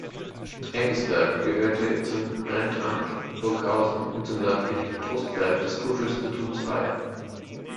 Engelsberg gehörte zum Rentamt Burghausen und zum Landgericht Trostberg des Kurfürstentums Bayern.